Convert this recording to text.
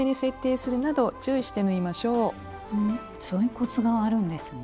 そういうコツがあるんですね。